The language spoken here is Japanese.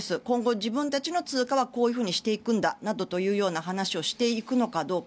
今後、自分たちの通貨はこういうふうにしていくんだなどという話し合いをしていくのか。